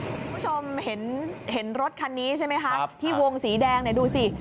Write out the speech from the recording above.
คุณผู้ชมเห็นรถคันนี้ใช่ไหมคะที่วงสีแดงเนี่ยดูสิ